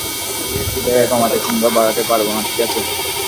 এটাকে কমাতে কিংবা বাড়াতে পারব না, ঠিক আছে?